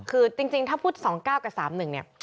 คือจริงถ้าพูด๒๙กับ๓๑เนี่ย